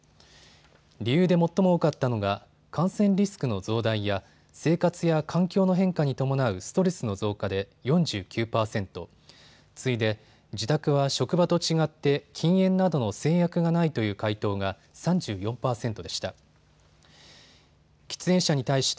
理由で最も多かったのが感染リスクの増大や生活や環境の変化に伴うストレスの増加で４９％、次いで自宅は職場と違って禁煙などの制約がないという回答が３４％でした。